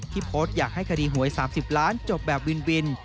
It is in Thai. โพสต์อยากให้คดีหวย๓๐ล้านจบแบบวิน